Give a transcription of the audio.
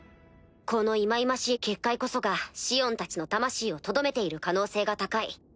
この忌々しい結界こそがシオンたちの魂をとどめている可能性が高い。